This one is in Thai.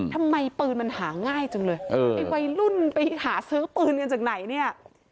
ทำไมปืนมันหาง่ายจังเลยเออไอ้วัยรุ่นไปหาซื้อปืนกันจากไหนเนี่ย